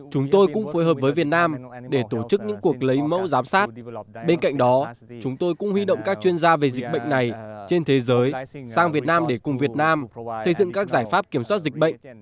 chúng tôi cũng phối hợp với việt nam để tổ chức những cuộc lấy mẫu giám sát bên cạnh đó chúng tôi cũng huy động các chuyên gia về dịch bệnh này trên thế giới sang việt nam để cùng việt nam xây dựng các giải pháp kiểm soát dịch bệnh